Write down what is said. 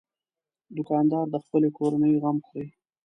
دوکاندار د خپلې کورنۍ غم خوري.